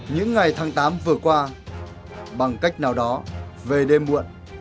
những ngày tháng tám vừa qua bằng cách nào đó về đêm muộn